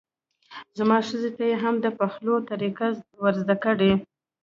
زما ښځې ته یې هم د پخولو طریقه ور زده کړئ.